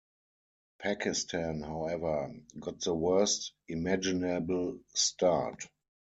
Pakistan, however, got the worst imaginable start.